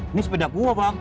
ini sepeda gua bang